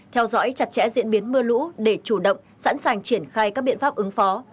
theo dõi chặt chẽ diễn biến mưa lũ để chủ động sẵn sàng triển khai các biện pháp ứng phó